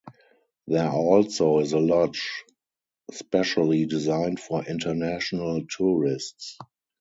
There also is a lodge specially designed for international tourists.